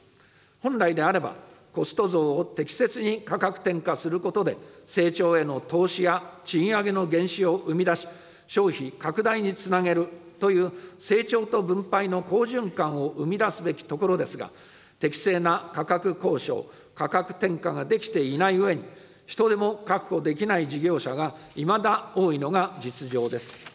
本来であれば、コスト増を適切に価格転嫁することで、成長への投資や賃上げの原資を生み出し、消費拡大につなげるという、成長と分配の好循環を生み出すべきところですが、適正な価格交渉・価格転嫁ができていないうえに、人手も確保できない事業者がいまだ多いのが実情です。